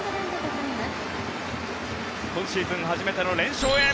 今シーズン初めての連勝へ。